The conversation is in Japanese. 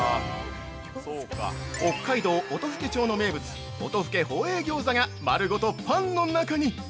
北海道音更町の名物「音更宝永餃子」が丸ごとパンの中に！